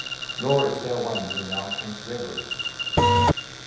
Nor is there one whom thou canst reverence!